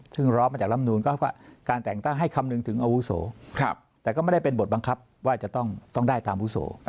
ซึ่งร้องมาจากลำนูนก็การแต่งตั้งให้คำนึงถึงอาวุโสแต่ก็ไม่ได้เป็นบทบังคับว่าจะต้องได้ตามวุโส